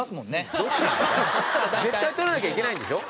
絶対取らなきゃいけないんでしょ？